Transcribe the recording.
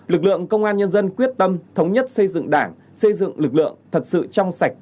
lực lượng công an nhân dân quyết tâm thống nhất xây dựng đảng xây dựng lực lượng thật sự trong sạch